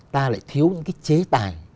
ta lại thiếu những cái chế tài